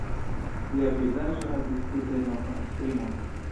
Lia vizaĝo havis tute novan esprimon.